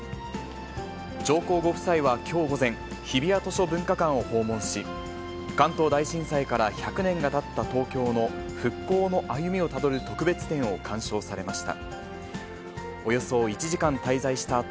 上皇ご夫妻はきょう午前、日比谷図書文化館を訪問し、関東大震災から１００年がたったの東京の復興の歩みをたどる特別展を鑑賞されました。